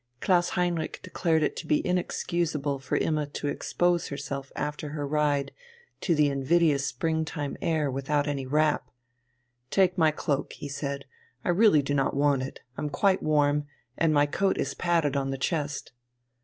Klaus Heinrich declared it to be inexcusable for Imma to expose herself after her ride to the invidious springtime air without any wrap. "Take my cloak," he said. "I really do not want it, I'm quite warm, and my coat is padded on the chest!"